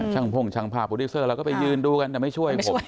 พ่งช่างภาพโปรดิวเซอร์เราก็ไปยืนดูกันแต่ไม่ช่วยผม